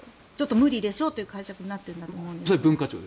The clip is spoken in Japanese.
無理でしょうという解釈になっていると思います。